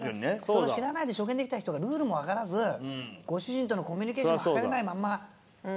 それ知らないで初見で来た人がルールもわからずご主人とのコミュニケーションも図れない